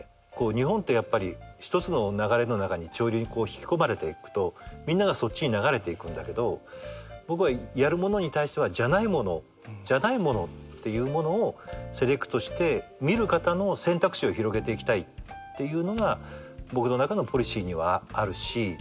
日本ってやっぱり一つの流れの中に潮流に引き込まれていくとみんながそっちに流れていくんだけど僕はやるものに対してはじゃないものじゃないものっていうものをセレクトして見る方の選択肢を広げていきたいっていうのが僕の中のポリシーにはあるし。